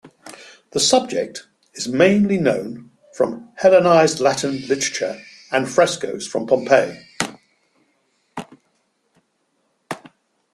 The subject is mainly known from Hellenized Latin literature and frescoes from Pompeii.